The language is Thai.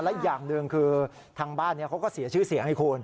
และอีกอย่างหนึ่งคือทางบ้านเขาก็เสียชื่อเสียงให้คุณ